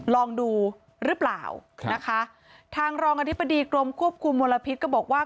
ลองดูหรือเปล่านะคะทางรองอธิบดีกรมควบคุมมลพิษก็บอกว่า